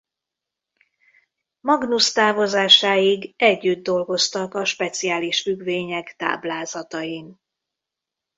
Magnus távozásáig együtt dolgoztak a speciális függvények táblázatain.